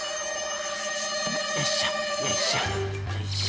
よいしょよいしょよいしょ。